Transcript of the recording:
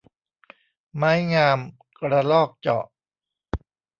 ไม้งามกระรอกเจาะ